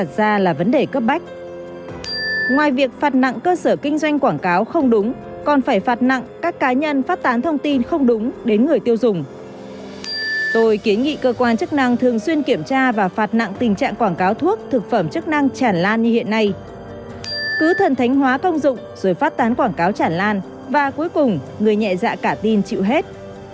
cứ thần thánh hóa công dụng rồi phát tán quảng cáo chản lan và cuối cùng người nhẹ dạ cả tin chịu hết